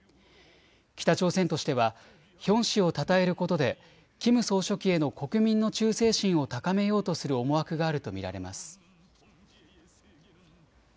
北朝鮮としてはヒョン氏をたたえることでキム総書記への国民の忠誠心を高めようとする思惑があると見られます。